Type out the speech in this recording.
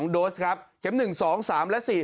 ๑๓๘๙๓๒โดสครับเข็ม๑๒๓และ๔